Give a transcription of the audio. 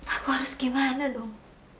aku harus gimana dong